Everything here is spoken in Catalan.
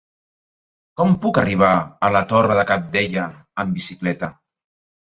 Com puc arribar a la Torre de Cabdella amb bicicleta?